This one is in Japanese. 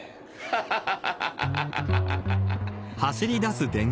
ハハハハ。